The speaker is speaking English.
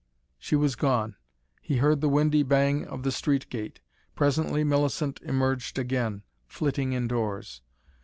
She was gone he heard the windy bang of the street gate. Presently Millicent emerged again, flitting indoors.